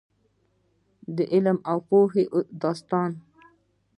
د علم او پوهې داستان.